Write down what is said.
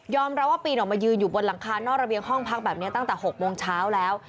รับว่าปีนออกมายืนอยู่บนหลังคานอกระเบียงห้องพักแบบนี้ตั้งแต่๖โมงเช้าแล้ว